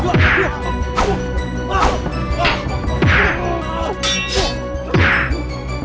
kamu tidak apa apa arya